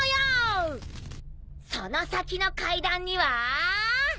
その先の階段には！